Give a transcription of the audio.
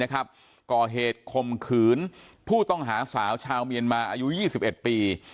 ก่อเหตุคมขืนผู้ต้องหาสาวชาวเมียนมาอายุ๒๑ปี